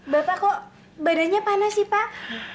bapak kok badannya panas sih pak